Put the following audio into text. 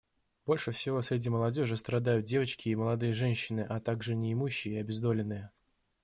Больше всего среди молодежи страдают девочки и молодые женщины, а также неимущие и обездоленные.